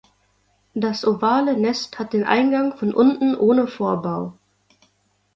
Das ovale Nest hat den Eingang von unten ohne Vorbau.